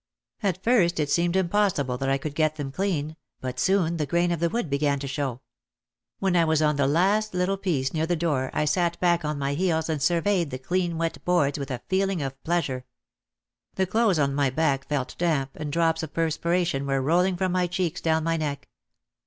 At first it seemed impossible that I could get them clean but soon the grain of the wood began to show. When I was on the last little piece near the door I sat back on my heels and surveyed the clean wet boards with a feeling of pleasure. The clothes on my back felt damp, and drops of perspiration were roll ing from my cheeks down my neck.